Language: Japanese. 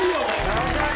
長い！